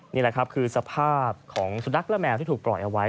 นี่แหละครับคือสภาพของสุนัขและแมวที่ถูกปล่อยเอาไว้